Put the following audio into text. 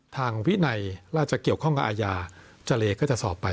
ทางวินัยน่าจะเกี่ยวข้องกับอาญาเจรก็จะสอบไป